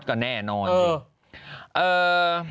ก็แน่นอนสิ